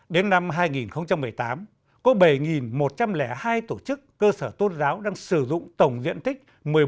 đến năm hai nghìn một mươi tám có bảy một trăm linh hai tổ chức cơ sở tôn giáo đang sử dụng tổng diện tích một mươi bốn tám trăm tám mươi tám